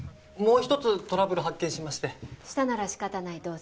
もう一つトラブル発見しましてしたなら仕方ない